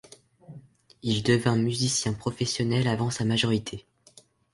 Il devient musicien professionnel avant sa majorité.